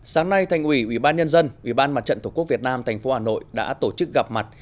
sáng nay thành ủy ủy ban nhân dân ủy ban mặt trận tổ quốc việt nam thành phố hà nội đã tổ chức gặp mặt